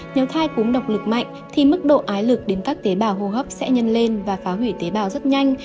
nếu thai cúm độc lực mạnh thì mức độ ái lực đến các tế bào hô hấp sẽ nhân lên và phá hủy tế bào rất nhanh